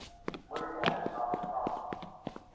এতকিছু শেখানোর পরেও যদি ভুল করো।